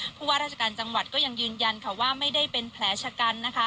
ผู้ว่าราชการจังหวัดก็ยังยืนยันค่ะว่าไม่ได้เป็นแผลชะกันนะคะ